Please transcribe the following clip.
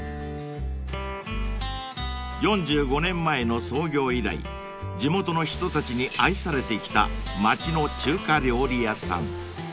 ［４５年前の創業以来地元の人たちに愛されてきた町の中華料理屋さん］